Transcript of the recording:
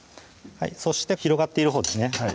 そして広がっているほうですね